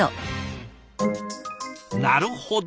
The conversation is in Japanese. なるほど！